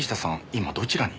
今どちらに？